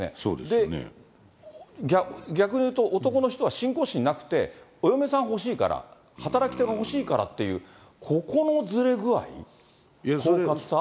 で、逆に言うと、男の人は信仰心なくて、お嫁さん欲しいから、働き手が欲しいからっていう、ここのずれ具合、こうかつさ。